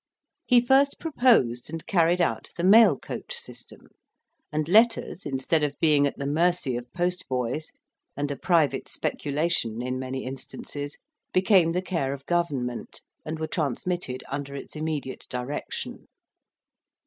He first proposed and carried out the mail coach system; and letters, instead of being at the mercy of postboys, and a private speculation in many instances, became the care of Government, and were transmitted under its immediate direction.